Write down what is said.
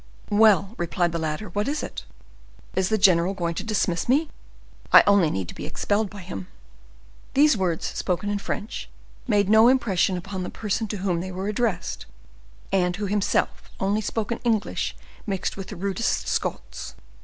"Well," replied the latter: "what is it? Is the general going to dismiss me? I only needed to be expelled by him." These words, spoken in French, made no impression upon the person to whom they were addressed, and who himself only spoke an English mixed with the rudest Scots.